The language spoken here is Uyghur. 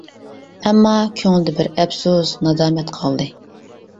ئەمما كۆڭلىدە بىر ئەپسۇس، نادامەت قالدى.